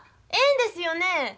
ええんですよね？